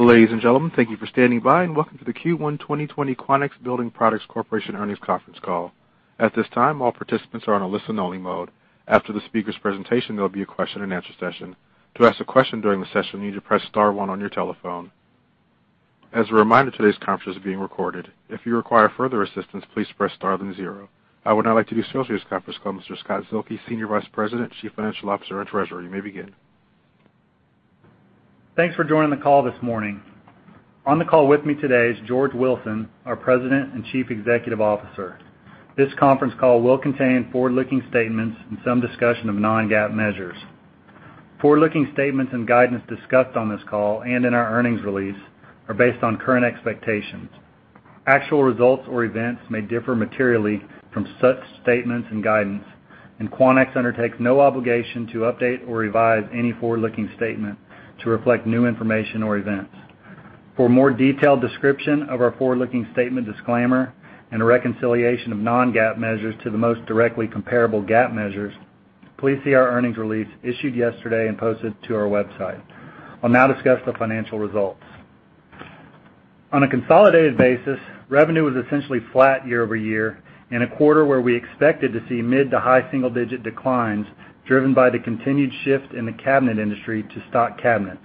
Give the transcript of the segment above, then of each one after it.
Ladies and gentlemen, thank you for standing by. Welcome to the Q1 2020 Quanex Building Products Corporation earnings conference call. At this time, all participants are on a listen-only mode. After the speakers' presentation, there'll be a question and answer session. To ask a question during the session, you need to press star one on your telephone. As a reminder, today's conference is being recorded. If you require further assistance, please press star then zero. I would now like to introduce this conference call, Mr. Scott Zuehlke, Senior Vice President, Chief Financial Officer, and Treasurer. You may begin. Thanks for joining the call this morning. On the call with me today is George Wilson, our President and Chief Executive Officer. This conference call will contain forward-looking statements and some discussion of non-GAAP measures. Forward-looking statements and guidance discussed on this call and in our earnings release are based on current expectations. Actual results or events may differ materially from such statements and guidance, and Quanex undertakes no obligation to update or revise any forward-looking statement to reflect new information or events. For a more detailed description of our forward-looking statement disclaimer and a reconciliation of non-GAAP measures to the most directly comparable GAAP measures, please see our earnings release issued yesterday and posted to our website. I'll now discuss the financial results. On a consolidated basis, revenue was essentially flat year-over-year in a quarter where we expected to see mid to high single-digit declines driven by the continued shift in the cabinet industry to stock cabinets.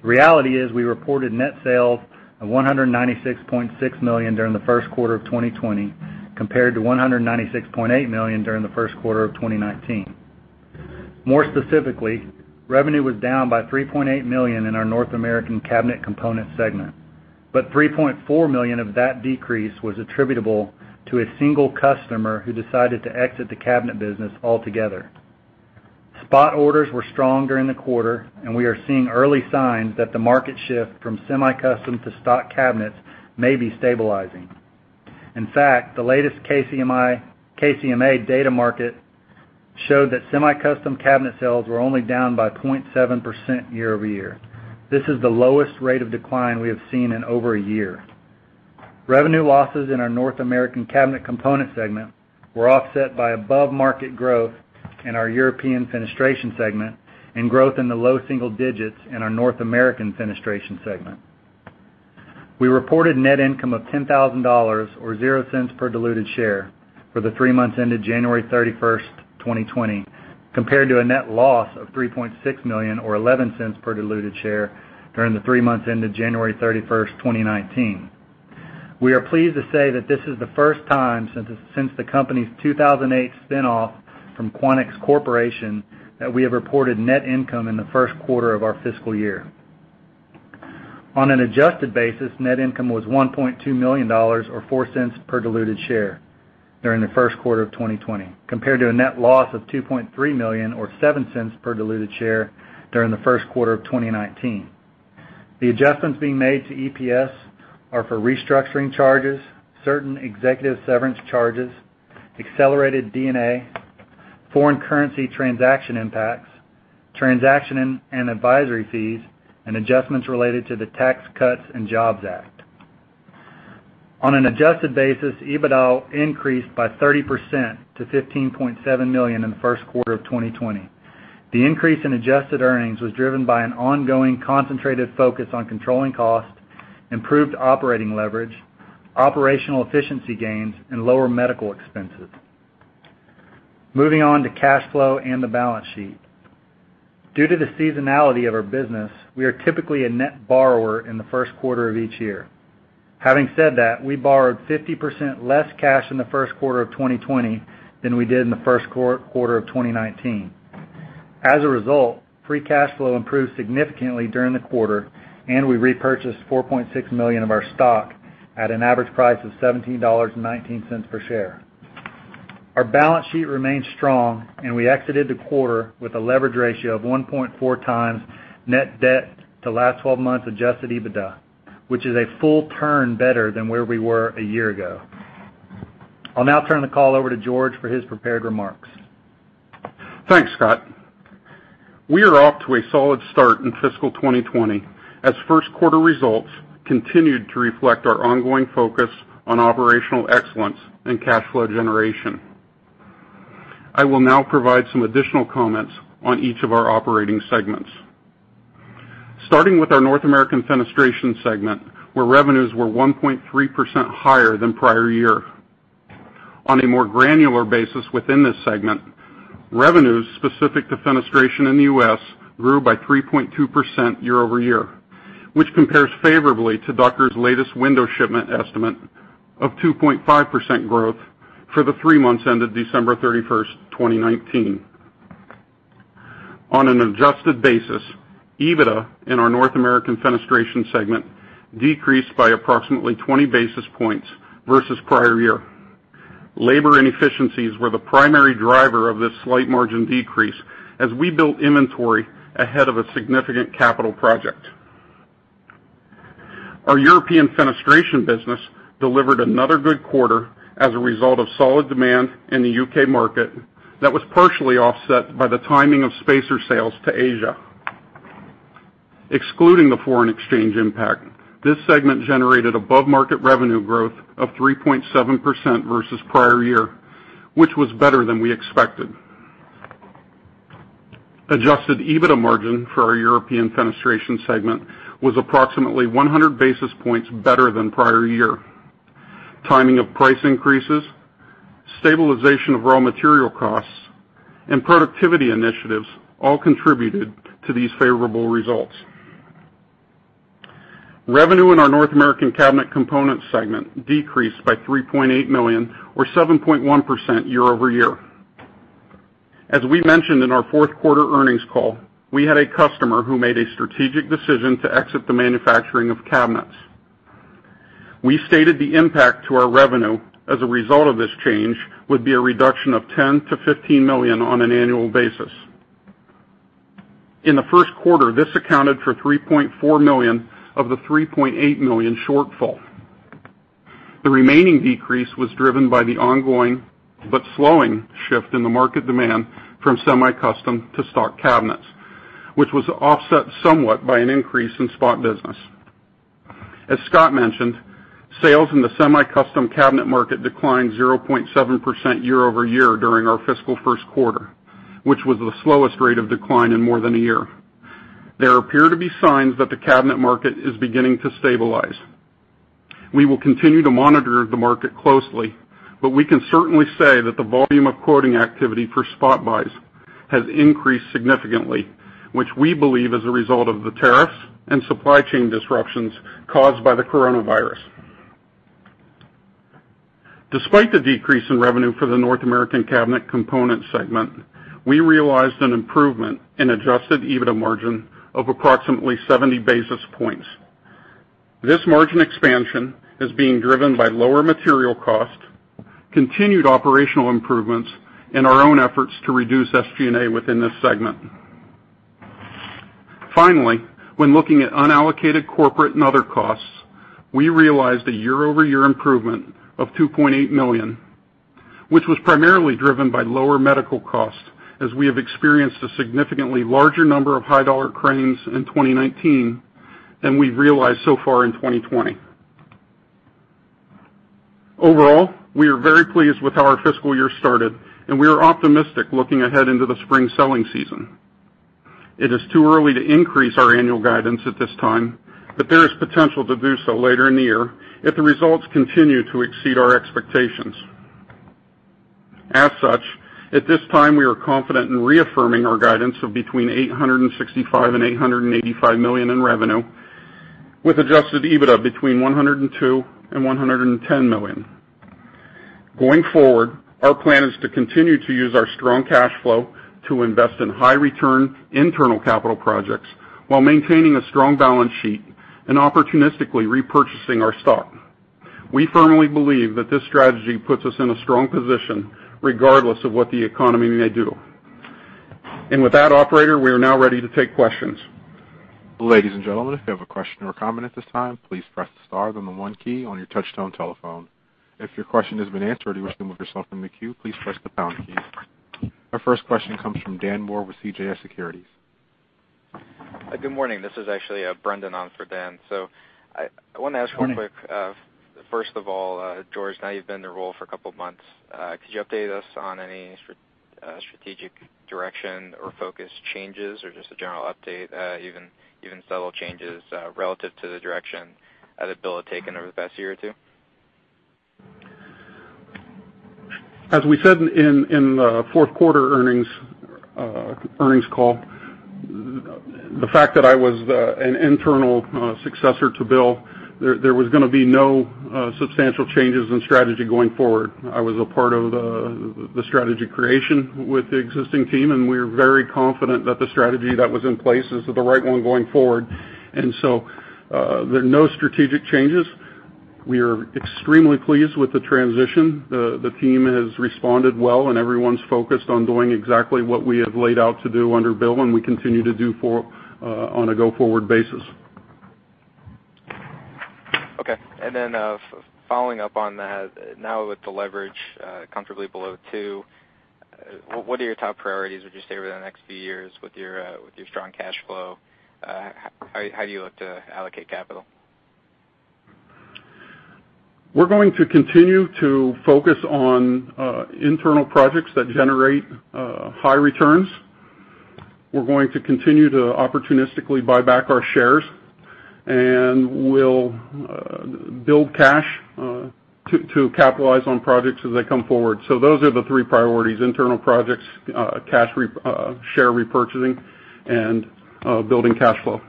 The reality is we reported net sales of $196.6 million during the first quarter of 2020, compared to $196.8 million during the first quarter of 2019. More specifically, revenue was down by $3.8 million in our North American Cabinet Components segment. $3.4 million of that decrease was attributable to a single customer who decided to exit the cabinet business altogether. Spot orders were strong during the quarter. We are seeing early signs that the market shift from semi-custom to stock cabinets may be stabilizing. The latest KCMA data market showed that semi-custom cabinet sales were only down by 0.7% year-over-year. This is the lowest rate of decline we have seen in over a year. Revenue losses in our North American Cabinet Components segment were offset by above-market growth in our European Fenestration segment and growth in the low single digits in our North American Fenestration segment. We reported net income of $10,000 or $0.00 per diluted share for the three months ended January 31st, 2020, compared to a net loss of $3.6 million or $0.11 per diluted share during the three months ended January 31st, 2019. We are pleased to say that this is the first time since the company's 2008 spinoff from Quanex Corporation that we have reported net income in the first quarter of our fiscal year. On an adjusted basis, net income was $1.2 million or $0.04 per diluted share during the first quarter of 2020, compared to a net loss of $2.3 million or $0.07 per diluted share during the first quarter of 2019. The adjustments being made to EPS are for restructuring charges, certain executive severance charges, accelerated D&A, foreign currency transaction impacts, transaction and advisory fees, and adjustments related to the Tax Cuts and Jobs Act. On an adjusted basis, EBITDA increased by 30% to $15.7 million in the first quarter of 2020. The increase in adjusted earnings was driven by an ongoing concentrated focus on controlling cost, improved operating leverage, operational efficiency gains, and lower medical expenses. Moving on to cash flow and the balance sheet. Due to the seasonality of our business, we are typically a net borrower in the first quarter of each year. Having said that, we borrowed 50% less cash in the first quarter of 2020 than we did in the first quarter of 2019. As a result, free cash flow improved significantly during the quarter, and we repurchased $4.6 million of our stock at an average price of $17.19 per share. Our balance sheet remains strong, and we exited the quarter with a leverage ratio of 1.4x net debt to last 12 months adjusted EBITDA, which is a full turn better than where we were a year ago. I'll now turn the call over to George for his prepared remarks. Thanks, Scott. We are off to a solid start in fiscal 2020 as first quarter results continued to reflect our ongoing focus on operational excellence and cash flow generation. I will now provide some additional comments on each of our operating segments. Starting with our North American Fenestration segment, where revenues were 1.3% higher than prior year. On a more granular basis within this segment, revenues specific to fenestration in the U.S. grew by 3.2% year-over-year, which compares favorably to Ducker's latest window shipment estimate of 2.5% growth for the three months ended December 31st, 2019. On an adjusted basis, EBITDA in our North American Fenestration segment decreased by approximately 20 basis points versus prior year. Labor inefficiencies were the primary driver of this slight margin decrease as we built inventory ahead of a significant capital project. Our European Fenestration business delivered another good quarter as a result of solid demand in the U.K. market that was partially offset by the timing of spacer sales to Asia. Excluding the foreign exchange impact, this segment generated above-market revenue growth of 3.7% versus the prior year, which was better than we expected. Adjusted EBITDA margin for our European Fenestration segment was approximately 100 basis points better than prior year. Timing of price increases, stabilization of raw material costs, and productivity initiatives all contributed to these favorable results. Revenue in our North American Cabinet Components segment decreased by $3.8 million or 7.1% year-over-year. As we mentioned in our fourth quarter earnings call, we had a customer who made a strategic decision to exit the manufacturing of cabinets. We stated the impact to our revenue as a result of this change would be a reduction of $10 million-$15 million on an annual basis. In the first quarter, this accounted for $3.4 million of the $3.8 million shortfall. The remaining decrease was driven by the ongoing but slowing shift in the market demand from semi-custom to stock cabinets, which was offset somewhat by an increase in spot business. As Scott mentioned, sales in the semi-custom cabinet market declined 0.7% year-over-year during our fiscal first quarter, which was the slowest rate of decline in more than a year. There appear to be signs that the cabinet market is beginning to stabilize. We will continue to monitor the market closely, but we can certainly say that the volume of quoting activity for spot buys has increased significantly, which we believe is a result of the tariffs and supply chain disruptions caused by the coronavirus. Despite the decrease in revenue for the North American Cabinet Components segment, we realized an improvement in adjusted EBITDA margin of approximately 70 basis points. This margin expansion is being driven by lower material cost, continued operational improvements, and our own efforts to reduce SGA within this segment. Finally, when looking at unallocated corporate and other costs, we realized a year-over-year improvement of $2.8 million, which was primarily driven by lower medical costs as we have experienced a significantly larger number of high-dollar claims in 2019 than we've realized so far in 2020. Overall, we are very pleased with how our fiscal year started, and we are optimistic looking ahead into the spring selling season. It is too early to increase our annual guidance at this time, but there is potential to do so later in the year if the results continue to exceed our expectations. As such, at this time, we are confident in reaffirming our guidance of between $865 million and $885 million in revenue, with adjusted EBITDA between $102 million and $110 million. Going forward, our plan is to continue to use our strong cash flow to invest in high-return internal capital projects while maintaining a strong balance sheet and opportunistically repurchasing our stock. We firmly believe that this strategy puts us in a strong position regardless of what the economy may do. With that, operator, we are now ready to take questions. Ladies and gentlemen, if you have a question or comment at this time, please press star then the one key on your touch-tone telephone. If your question has been answered or you wish to remove yourself from the queue, please press the pound key. Our first question comes from Dan Moore with CJS Securities. Good morning. This is actually Brendan on for Dan. I wanted to ask real quick, first of all, George, now you've been in the role for a couple of months. Could you update us on any strategic direction or focus changes or just a general update, even subtle changes relative to the direction that Bill had taken over the past year or two? As we said in the fourth quarter earnings call, the fact that I was an internal successor to Bill, there was going to be no substantial changes in strategy going forward. I was a part of the strategy creation with the existing team, and we're very confident that the strategy that was in place is the right one going forward. There are no strategic changes. We are extremely pleased with the transition. The team has responded well and everyone's focused on doing exactly what we have laid out to do under Bill, and we continue to do on a go-forward basis. Okay. Following up on that, now with the leverage comfortably below two, what are your top priorities, would you say, over the next few years with your strong cash flow? How do you look to allocate capital? We're going to continue to focus on internal projects that generate high returns. We're going to continue to opportunistically buy back our shares, and we'll build cash to capitalize on projects as they come forward. Those are the three priorities, internal projects, share repurchasing, and building cash flow.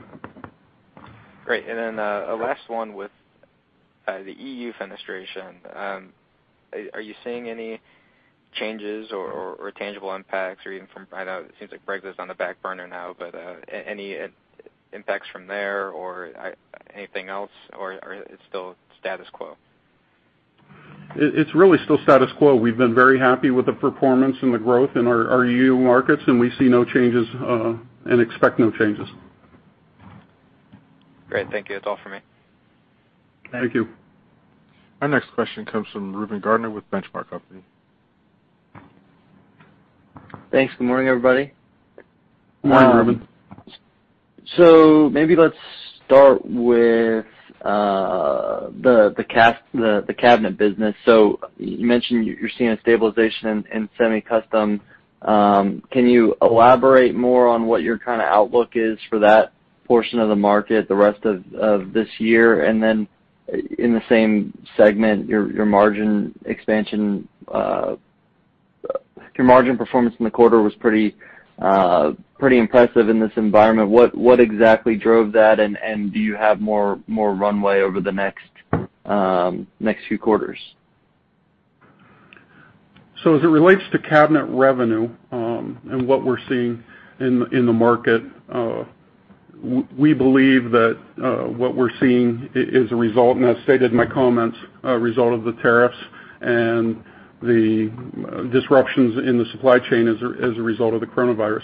Great, and then a last one with the European Fenestration. Are you seeing any changes or tangible impacts or even I know it seems like Brexit's on the back burner now, but any impacts from there or anything else, or it's still status quo? It's really still status quo. We've been very happy with the performance and the growth in our EU markets. We see no changes and expect no changes. Great. Thank you. That's all for me. Thank you. Our next question comes from Reuben Garner with Benchmark Company. Thanks. Good morning, everybody. Good morning, Reuben. Maybe let's start with the cabinet business. You mentioned you're seeing a stabilization in semi-custom. Can you elaborate more on what your outlook is for that portion of the market the rest of this year? In the same segment, your margin expansion. Your margin performance in the quarter was pretty impressive in this environment. What exactly drove that, and do you have more runway over the next few quarters? As it relates to cabinet revenue, and what we're seeing in the market, we believe that what we're seeing is a result, and I stated in my comments, a result of the tariffs and the disruptions in the supply chain as a result of the coronavirus.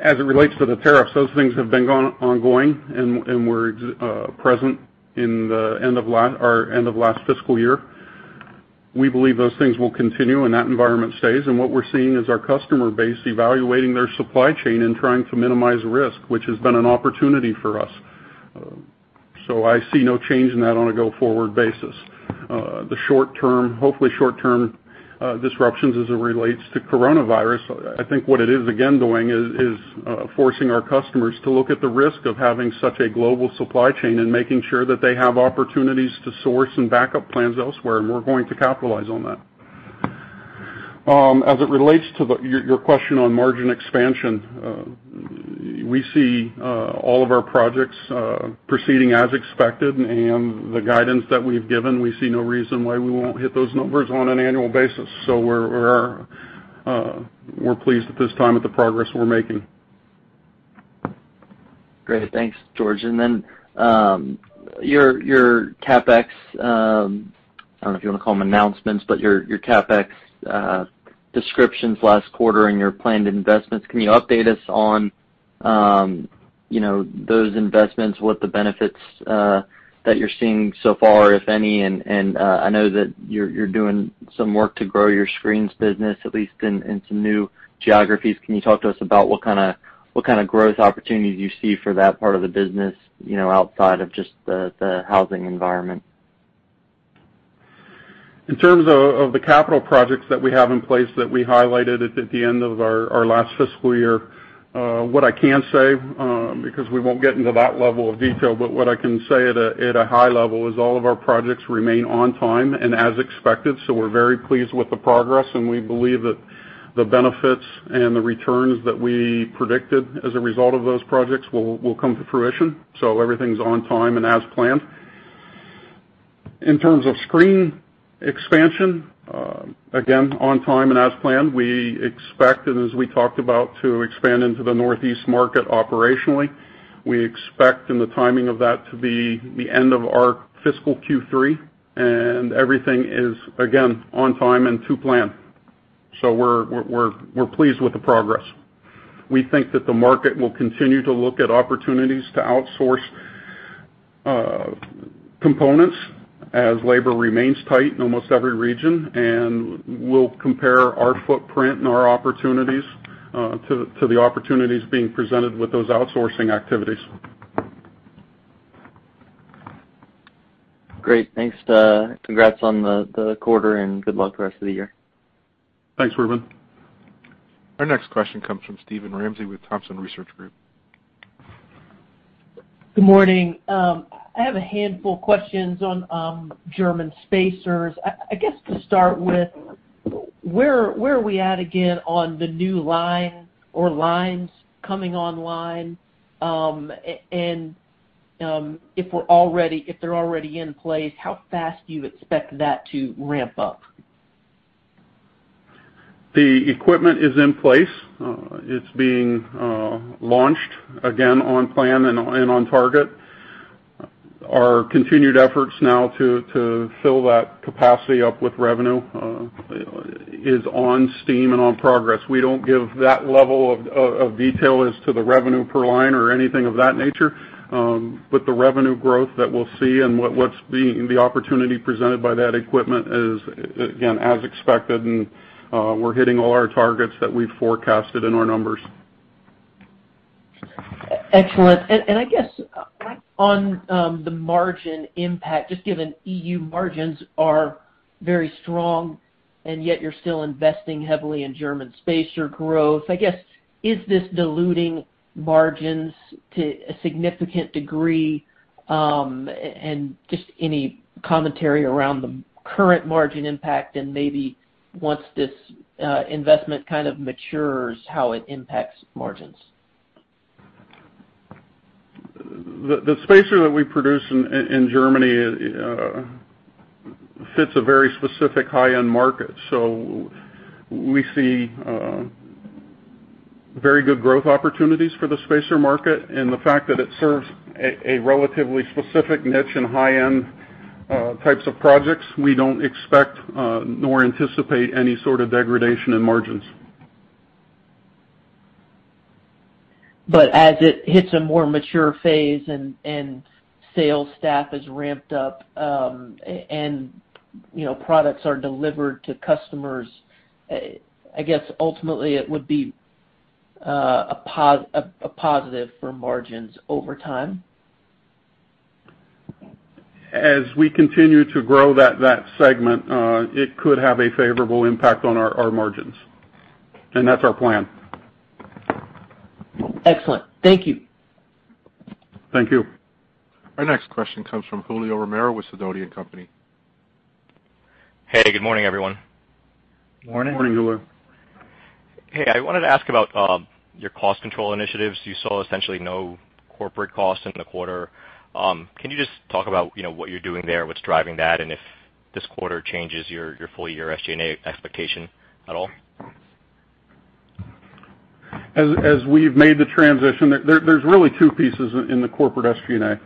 As it relates to the tariffs, those things have been ongoing and were present in the end of last fiscal year. We believe those things will continue, and that environment stays. What we're seeing is our customer base evaluating their supply chain and trying to minimize risk, which has been an opportunity for us. I see no change in that on a go-forward basis. The short term, hopefully short-term disruptions as it relates to coronavirus, I think what it is again doing is forcing our customers to look at the risk of having such a global supply chain and making sure that they have opportunities to source and backup plans elsewhere. We're going to capitalize on that. As it relates to your question on margin expansion, we see all of our projects proceeding as expected and the guidance that we've given, we see no reason why we won't hit those numbers on an annual basis. We're pleased at this time with the progress we're making. Great. Thanks, George. Then, your CapEx, I don't know if you want to call them announcements, but your CapEx descriptions last quarter and your planned investments, can you update us on those investments, what the benefits that you're seeing so far, if any, and I know that you're doing some work to grow your screens business, at least in some new geographies. Can you talk to us about what kind of growth opportunities you see for that part of the business outside of just the housing environment? In terms of the capital projects that we have in place that we highlighted at the end of our last fiscal year, what I can say, because we won't get into that level of detail, but what I can say at a high level is all of our projects remain on time and as expected. We're very pleased with the progress, and we believe that the benefits and the returns that we predicted as a result of those projects will come to fruition. Everything's on time and as planned. In terms of screen expansion, again, on time and as planned. We expect, and as we talked about, to expand into the Northeast market operationally. We expect in the timing of that to be the end of our fiscal Q3, and everything is, again, on time and to plan. We're pleased with the progress. We think that the market will continue to look at opportunities to outsource components as labor remains tight in almost every region, and we'll compare our footprint and our opportunities to the opportunities being presented with those outsourcing activities. Great. Thanks. Congrats on the quarter, and good luck the rest of the year. Thanks, Reuben. Our next question comes from Steven Ramsey with Thompson Research Group. Good morning. I have a handful of questions on German spacers. I guess to start with, where are we at again on the new line or lines coming online? If they're already in place, how fast do you expect that to ramp up? The equipment is in place. It's being launched again on plan and on target. Our continued efforts now to fill that capacity up with revenue is on steam and on progress. We don't give that level of detail as to the revenue per line or anything of that nature. The revenue growth that we'll see and what's being the opportunity presented by that equipment is, again, as expected, and we're hitting all our targets that we forecasted in our numbers. Excellent. I guess on the margin impact, just given EU margins are very strong and yet you're still investing heavily in German spacer growth. I guess, is this diluting margins to a significant degree? Just any commentary around the current margin impact and maybe once this investment kind of matures, how it impacts margins. The spacer that we produce in Germany fits a very specific high-end market. We see very good growth opportunities for the spacer market, and the fact that it serves a relatively specific niche and high-end types of projects, we don't expect nor anticipate any sort of degradation in margins. As it hits a more mature phase and sales staff is ramped up. You know, products are delivered to customers. I guess ultimately it would be a positive for margins over time? As we continue to grow that segment, it could have a favorable impact on our margins. That's our plan. Excellent. Thank you. Thank you. Our next question comes from Julio Romero with Sidoti & Company. Hey, good morning, everyone. Morning, Julio. Hey, I wanted to ask about your cost control initiatives. You saw essentially no corporate cost in the quarter. Can you just talk about what you're doing there, what's driving that, and if this quarter changes your full-year SGA expectation at all? As we've made the transition, there's really two pieces in the corporate SG&A.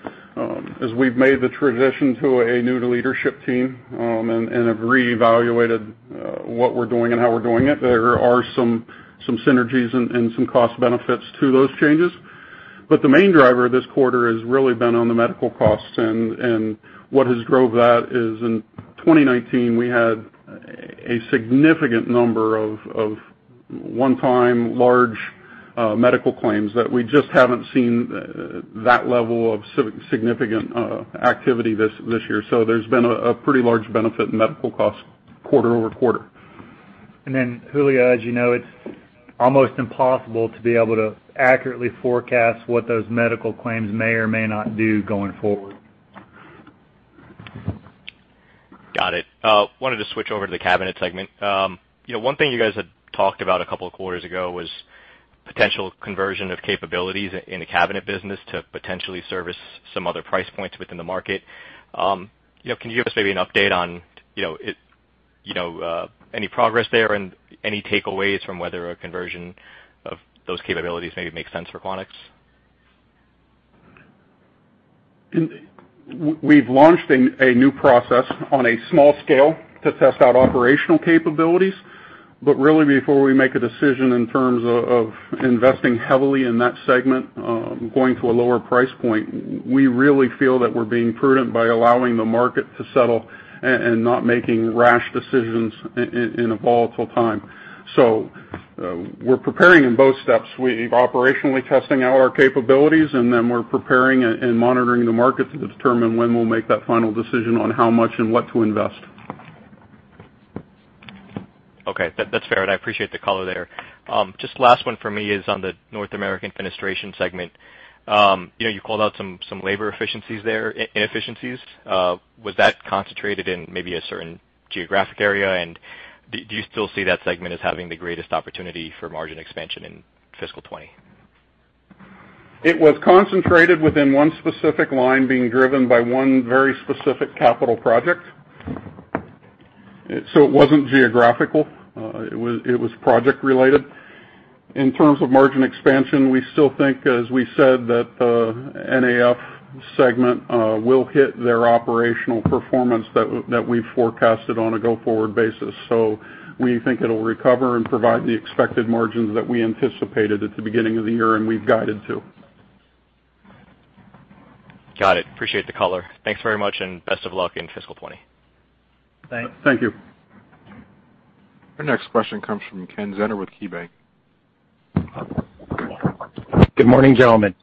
As we've made the transition to a new leadership team and have reevaluated what we're doing and how we're doing it, there are some synergies and some cost benefits to those changes. The main driver this quarter has really been on the medical costs, and what has drove that is in 2019, we had a significant number of one-time large medical claims that we just haven't seen that level of significant activity this year. There's been a pretty large benefit in medical costs quarter-over-quarter. Julio, as you know, it's almost impossible to be able to accurately forecast what those medical claims may or may not do going forward. Got it. Wanted to switch over to the cabinet segment. One thing you guys had talked about a couple of quarters ago was potential conversion of capabilities in the cabinet business to potentially service some other price points within the market. Can you give us maybe an update on any progress there and any takeaways from whether a conversion of those capabilities maybe makes sense for Quanex? We've launched a new process on a small scale to test out operational capabilities. Really before we make a decision in terms of investing heavily in that segment, going to a lower price point, we really feel that we're being prudent by allowing the market to settle and not making rash decisions in a volatile time. We're preparing in both steps. We're operationally testing out our capabilities, and then we're preparing and monitoring the market to determine when we'll make that final decision on how much and what to invest. Okay. That's fair. I appreciate the color there. Just last one for me is on the North American Fenestration segment. You called out some labor inefficiencies there. Was that concentrated in maybe a certain geographic area? Do you still see that segment as having the greatest opportunity for margin expansion in fiscal 2020? It was concentrated within one specific line being driven by one very specific capital project. It wasn't geographical. It was project-related. In terms of margin expansion, we still think, as we said, that the NAF segment will hit their operational performance that we forecasted on a go-forward basis. We think it'll recover and provide the expected margins that we anticipated at the beginning of the year and we've guided to. Got it. Appreciate the color. Thanks very much, and best of luck in fiscal 2020. Thanks. Thank you. Our next question comes from Ken Zener with KeyBanc. Good morning, gentlemen.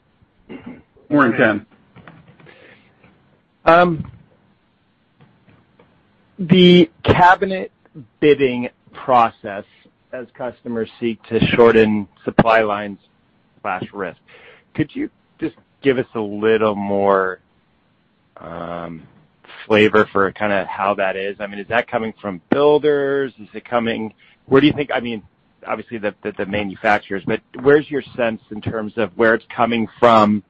Morning, Ken. The cabinet bidding process, as customers seek to shorten supply lines/risk, could you just give us a little more flavor for kind of how that is? I mean, is that coming from builders? I mean, obviously the manufacturers, but where's your sense in terms of where it's coming from?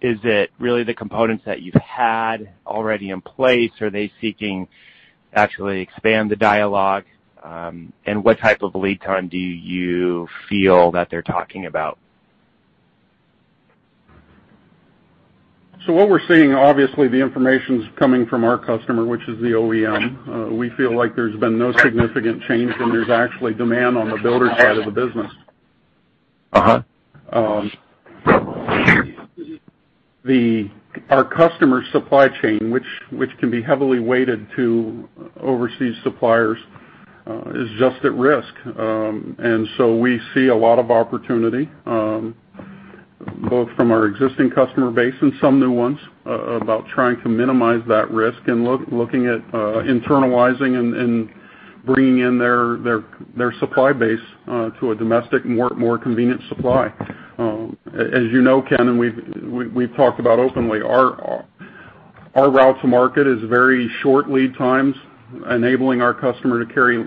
Is it really the components that you've had already in place? Are they seeking actually expand the dialogue? What type of lead time do you feel that they're talking about? What we're seeing, obviously the information's coming from our customer, which is the OEM. We feel like there's been no significant change, and there's actually demand on the builder side of the business. Our customer supply chain, which can be heavily weighted to overseas suppliers, is just at risk. So we see a lot of opportunity, both from our existing customer base and some new ones, about trying to minimize that risk and looking at internalizing and bringing in their supply base to a domestic, more convenient supply. As you know, Ken, and we've talked about openly, our route to market is very short lead times, enabling our customer to carry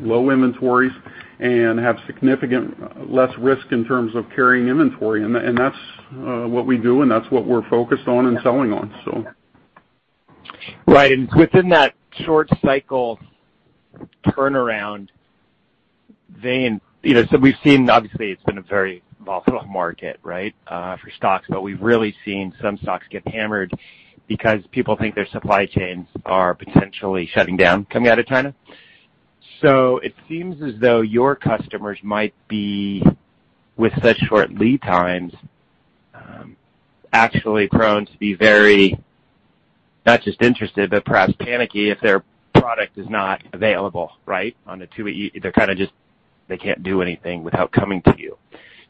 low inventories and have significant less risk in terms of carrying inventory. That's what we do, and that's what we're focused on and selling on. Right. Within that short cycle turnaround vein, we've seen obviously it's been a very volatile market, right? For stocks, we've really seen some stocks get hammered because people think their supply chains are potentially shutting down coming out of China. It seems as though your customers might be, with such short lead times actually prone to be very, not just interested, but perhaps panicky if their product is not available. Right? They can't do anything without coming to you.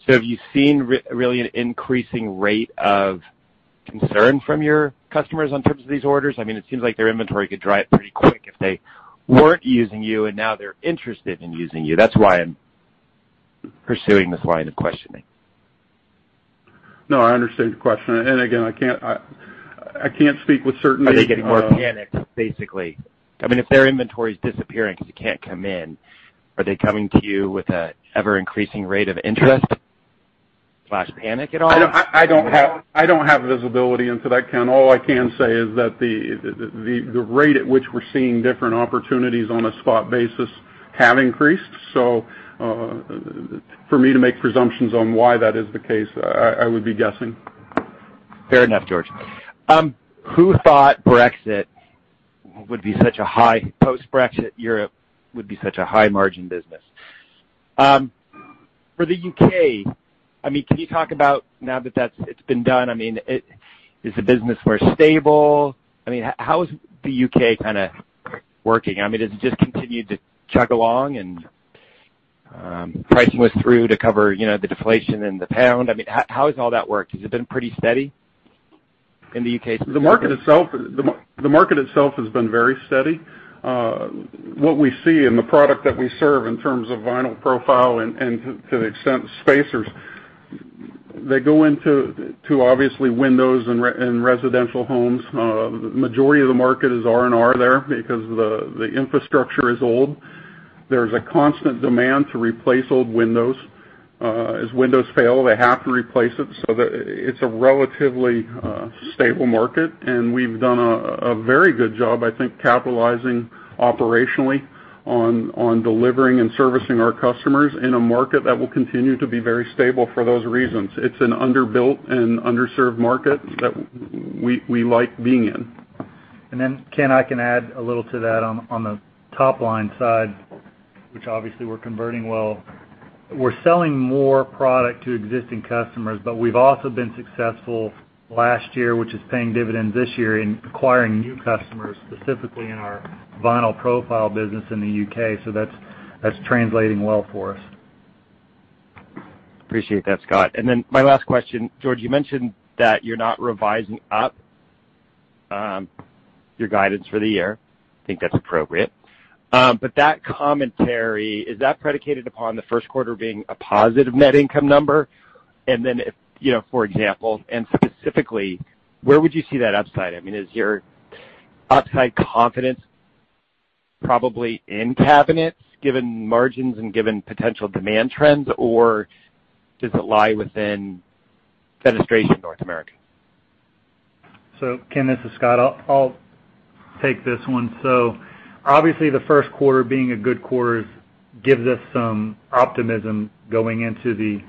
Have you seen really an increasing rate of concern from your customers in terms of these orders? It seems like their inventory could dry up pretty quick if they weren't using you and now they're interested in using you. That's why I'm pursuing this line of questioning. No, I understand the question, and again, I can't speak with certainty. Are they getting more panicked, basically? If their inventory's disappearing because it can't come in, are they coming to you with an ever-increasing rate of interest/panic at all? I don't have visibility into that, Ken. All I can say is that the rate at which we're seeing different opportunities on a spot basis have increased. For me to make presumptions on why that is the case, I would be guessing. Fair enough, George. Who thought post-Brexit Europe would be such a high margin business? For the U.K., can you talk about, now that it's been done, is the business more stable? How is the U.K. working? Has it just continued to chug along and pricing went through to cover the deflation in the pound? How has all that worked? Has it been pretty steady in the U.K.? The market itself has been very steady. What we see in the product that we serve in terms of vinyl profiles and to an extent, spacers, they go into, obviously, windows and residential homes. The majority of the market is R&R there because the infrastructure is old. There's a constant demand to replace old windows. As windows fail, they have to replace it, so that it's a relatively stable market, and we've done a very good job, I think, capitalizing operationally on delivering and servicing our customers in a market that will continue to be very stable for those reasons. It's an underbuilt and underserved market that we like being in. Ken, I can add a little to that on the top-line side, which obviously we're converting well. We're selling more product to existing customers, but we've also been successful last year, which is paying dividends this year in acquiring new customers, specifically in our vinyl profiles business in the U.K. That's translating well for us. Appreciate that, Scott. My last question. George, you mentioned that you're not revising up your guidance for the year. I think that's appropriate. That commentary, is that predicated upon the first quarter being a positive net income number? For example, and specifically, where would you see that upside? Is your upside confidence probably in cabinets given margins and given potential demand trends, or does it lie within North American Fenestration? Ken, this is Scott. I'll take this one. Obviously the first quarter being a good quarter gives us some optimism going into the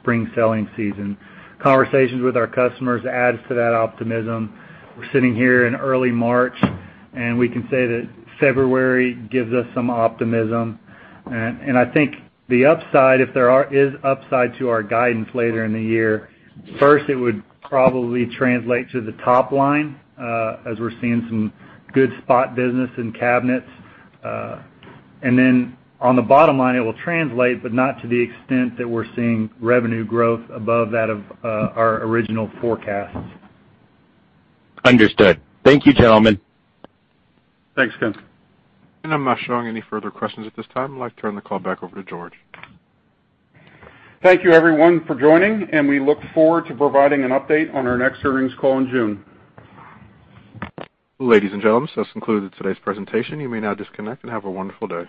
spring selling season. Conversations with our customers adds to that optimism. We're sitting here in early March, we can say that February gives us some optimism. I think the upside, if there is upside to our guidance later in the year, first, it would probably translate to the top line, as we're seeing some good spot business in cabinets. On the bottom line, it will translate, but not to the extent that we're seeing revenue growth above that of our original forecasts. Understood. Thank you, gentlemen. Thanks, Ken. I'm not showing any further questions at this time. I'd like to turn the call back over to George. Thank you everyone for joining, and we look forward to providing an update on our next earnings call in June. Ladies and gentlemen, this concludes today's presentation. You may now disconnect and have a wonderful day.